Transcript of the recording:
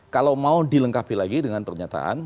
kalau mau dilengkapi lagi dengan pernyataan